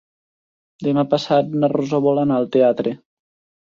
Demà passat na Rosó vol anar al teatre.